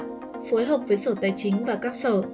phối hợp với sở tài chính và các sở